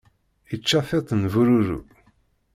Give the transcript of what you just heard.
Ičča tiṭ n bururu.